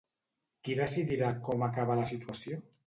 Qui decidirà com acaba la situació?